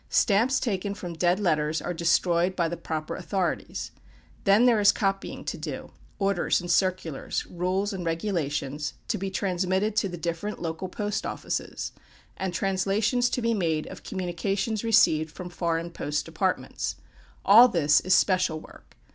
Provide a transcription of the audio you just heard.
Stamps taken from dead letters are destroyed by the proper authorities. Then, there is copying to do orders and circulars, rules and regulations, to be transmitted to the different local post offices; and translations to be made of communications received from foreign post departments. All this is "Special" work.